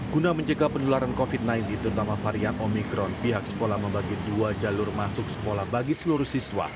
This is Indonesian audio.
guna mencegah penularan covid sembilan belas terutama varian omikron pihak sekolah membagi dua jalur masuk sekolah